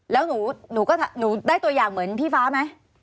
แล้วหนูได้ตัวอย่างเหมือนพี่ฟ้าไหม